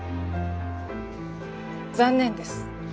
残念です。